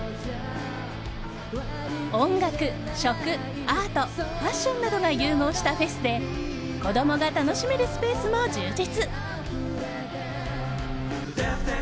音楽、食、アートファッションなどが融合したフェスで子供が楽しめるスペースも充実。